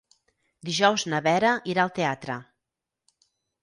Dijous na Vera irà al teatre.